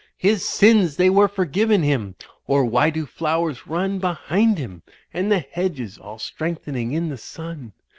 *'His sins they were forgiven him; or why do flowers run Behind him; and the hedges all strengthening in the sun?